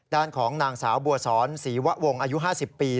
ด้านของนางสาวบัวสอนศรีวะวงอายุ๕๐ปี